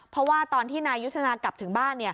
เพราะว่าตอนที่นายยุทธนากลับถึงบ้าน